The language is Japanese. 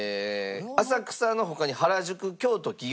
浅草の他に原宿京都園の。